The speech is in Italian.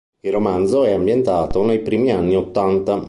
Il romanzo è ambientato nei primi anni ottanta.